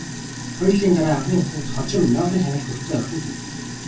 Хоёр жилийн дараа анхны хүүхэд, хожим Нобелийн шагнал хүртсэн охин нь төрлөө.